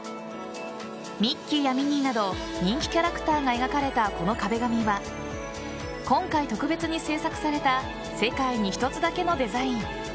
ミッキーやミニーなど人気キャラクターが描かれたこの壁紙は今回、特別に制作された世界に一つだけのデザイン。